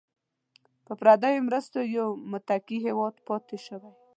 په پردیو مرستو یو متکي هیواد پاتې شوی.